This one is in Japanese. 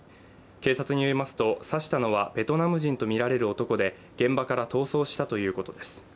警察によりますと、刺したのはベトナム人とみられる男で現場から逃走したということです。